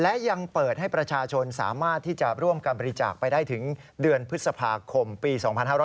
และยังเปิดให้ประชาชนสามารถที่จะร่วมการบริจาคไปได้ถึงเดือนพฤษภาคมปี๒๕๕๙